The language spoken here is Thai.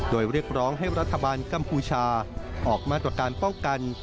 โดยเรียกร้องให้รัฐบาลกัมพูชาออกมาตรการป้องกัน